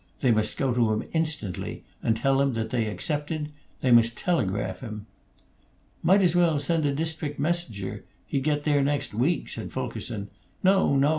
They must go to him instantly, and tell him that they accepted; they must telegraph him. "Might as well send a district messenger; he'd get there next week," said Fulkerson. "No, no!